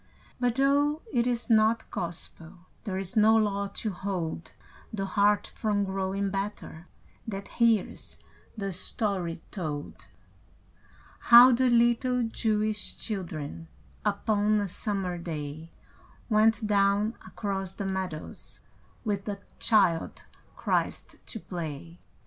But though it is not Gospel, There is no law to hold The heart from growing better That hears the story told: How the little Jewish children Upon a summer day, Went down across the meadows With the Child Christ to play.